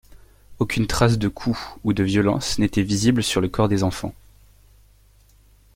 Aucune trace de coup ou de violence n'était visible sur le corps des enfants.